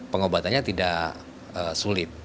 pengobatannya tidak sulit